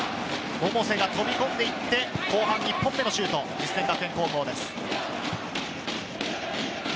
百瀬が飛び込んでいって後半１本目のシュート、実践学園高校です。